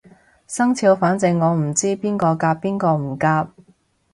生肖反正我唔知邊個夾邊個唔夾